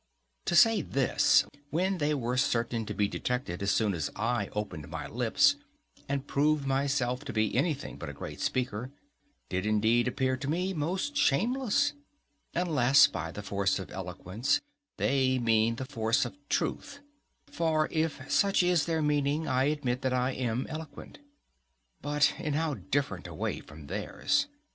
To say this, when they were certain to be detected as soon as I opened my lips and proved myself to be anything but a great speaker, did indeed appear to me most shameless—unless by the force of eloquence they mean the force of truth; for if such is their meaning, I admit that I am eloquent. But in how different a way from theirs!